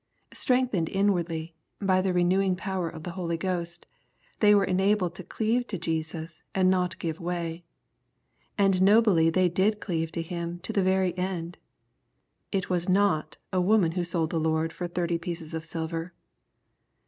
Strengthened inwardly, by the renewing power of the Holy Ghost, they were enabled to cleave to Jesus and not give way. — ^And nobly they did cleave to Him to the very end 1 It was not a woman who sold the Lord for thirty pieces of silver.